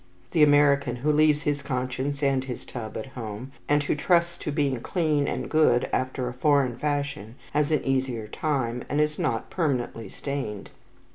The American who leaves his conscience and his tub at home, and who trusts to being clean and good after a foreign fashion, has an easier time, and is not permanently stained.